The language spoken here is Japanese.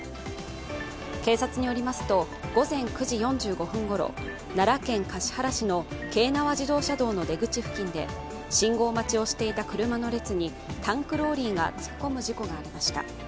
警察によりますと、午前９時４５分ごろ奈良県橿原市の京奈和自動車道の出口付近で、信号待ちをしていた車の列にタンクローリーが突っ込む事故がありました。